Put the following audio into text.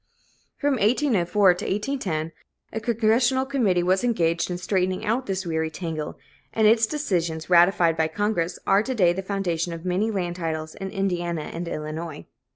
From 1804 to 1810, a Congressional committee was engaged in straightening out this weary tangle; and its decisions, ratified by Congress, are to day the foundation of many land titles in Indiana and Illinois.